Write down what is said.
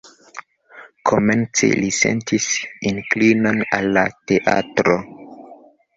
Komence li sentis inklinon al la teatro.